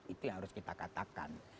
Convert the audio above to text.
itu yang harus kita katakan